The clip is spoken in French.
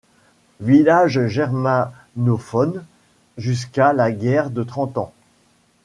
Village germanophone jusqu'à la guerre de Trente Ans.